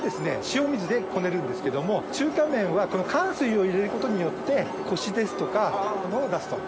塩水でこねるんですけども中華麺はこのかんすいを入れることによってコシですとかを出すと。